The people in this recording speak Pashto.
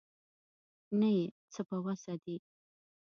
نه یې څه په وسه دي.